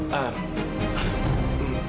maaf pak contains